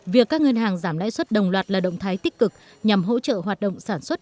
việc các ngân hàng giảm lãi suất đồng loạt là động thái tích cực nhằm hỗ trợ hoạt động sản xuất